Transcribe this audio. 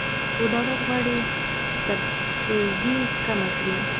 خو دولت غواړي سبسایډي کمه کړي.